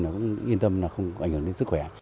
nó cũng yên tâm là không ảnh hưởng đến sức khỏe